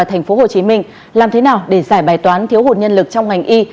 tp hcm làm thế nào để giải bài toán thiếu hụt nhân lực trong ngành y